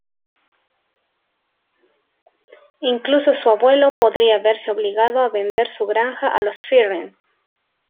Incluso su abuelo podría verse obligado a vender su granja a los Ferrand.